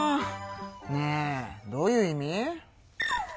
ねえどういう意味？